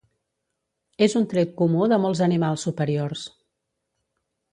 És un tret comú de molts animals superiors.